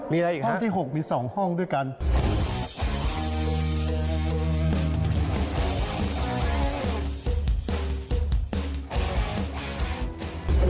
มีอะไรอีกห้องที่๖มีสองห้องด้วยกันมีอะไรอีกนะ